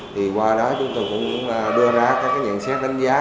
thì qua đó chúng tôi cũng đưa ra các cái nhận xét đánh giá